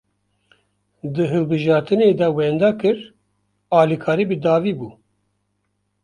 Di hilbijartinê de wenda kir, alîkarî bi dawî bû